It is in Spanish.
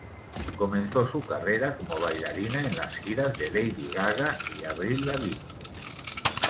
Comenzó su carrera como bailarina en las giras de Lady Gaga y Avril Lavigne.